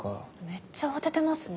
めっちゃ慌ててますね。